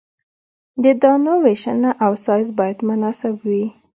د دانو ویشنه او سایز باید مناسب وي